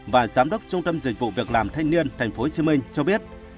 và giám đốc trung tâm dịch vụ việc làm thanh niên tp hcm cho biết